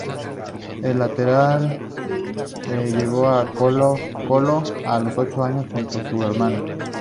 El lateral, llegó a Colo-Colo a los ocho años junto con su hermano.